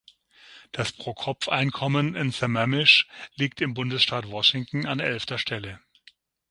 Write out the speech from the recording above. Das Pro-Kopf-Einkommen in Sammamish liegt im Bundesstaat Washington an elfter Stelle.